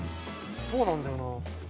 そうなんだよな。